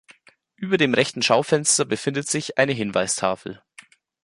Über dem rechten Schaufenster befindet sich eine Hinweistafel.